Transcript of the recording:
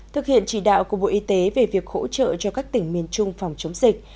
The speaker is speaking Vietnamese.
thực hiện chỉ đạo của bộ y tế về việc hỗ trợ cho các tỉnh miền trung phòng chống dịch